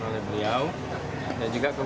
alasan itu dulu kenapa pak